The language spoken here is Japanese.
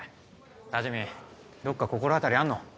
たじみんどっか心当たりあんの？